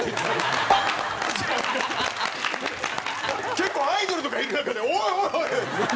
結構アイドルとかいる中で「おいおいおい！」。